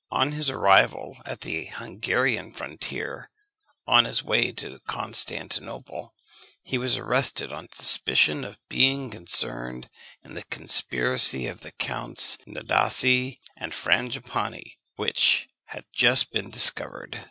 On his arrival at the Hungarian frontier, on his way to Constantinople, he was arrested on suspicion of being concerned in the conspiracy of the Counts Nadasdi and Frangipani, which had just been discovered.